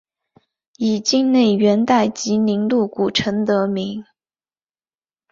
以境内元代集宁路古城得名。